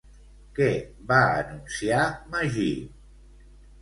Què va anunciar Magí?